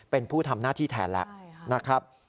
เป็นผู้ทำหน้าที่แทนแล้วนะครับ